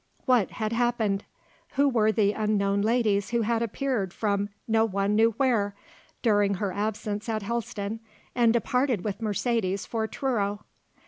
What had happened? Who were the unknown ladies who had appeared from no one knew where during her absence at Helston and departed with Mercedes for Truro?